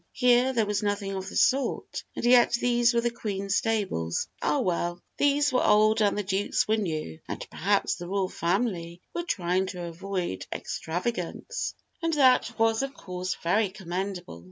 Here there was nothing of the sort, and yet these were the Queen's stables. Ah, well! these were old and the Duke's were new, and perhaps the royal family were trying to avoid extravagance, and that was of course very commendable.